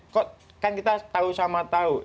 kok kan kita tahu sama tahu